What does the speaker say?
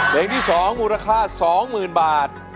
เพลงที่๒มูลค่า๒๐๐๐บาท